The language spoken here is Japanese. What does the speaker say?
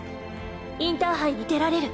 インターハイに出られる。